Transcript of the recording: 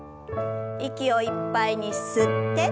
息をいっぱいに吸って。